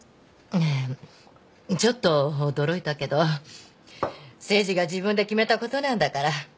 ねえちょっと驚いたけど誠治が自分で決めたことなんだから。